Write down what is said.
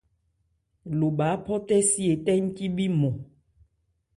Lo bha áphɔtɛ́si etɛ́ ncíbhí nmɔn.